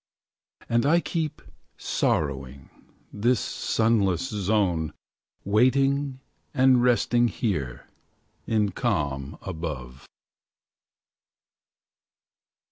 And I keep, sorrowing. This sunless zone. Waiting and resting here. In calm above.